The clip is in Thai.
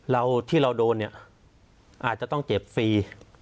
ที่เราโดนเนี่ยอาจจะต้องเจ็บฟรี